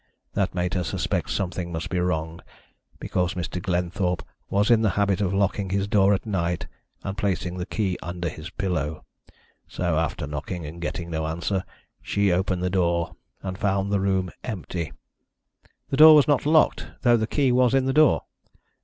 That made her suspect something must be wrong, because Mr. Glenthorpe was in the habit of locking his door of a night and placing the key under his pillow. So, after knocking and getting no answer, she opened the door, and found the room empty." "The door was not locked, though the key was in the door?"